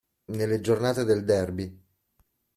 Nelle giornate del derby.